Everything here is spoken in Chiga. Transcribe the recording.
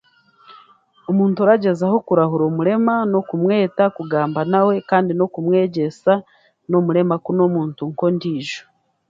Omuntu oragyezaho kurahura omurema n'okumweta kugamba nawe kandi n'okumwegyesa ku n'omurema nawe n'omuntu nk'ondiijo